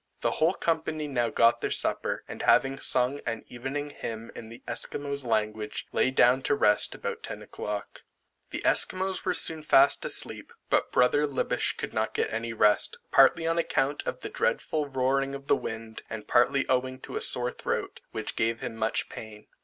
The whole company now got their supper, and having sung an evening hymn in the Esquimaux language, lay down to rest about ten o'clock. The Esquimaux were soon fast asleep, but brother Liebisch could not get any rest, partly on account of the dreadful roaring of the wind, and partly owing to a sore throat, which gave him much pain.